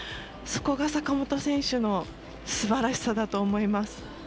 そこが坂本選手のすばらしさだと思います。